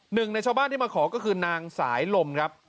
หนึ่งในชาวบ้านที่มาขอก็คือนางสายลมครับ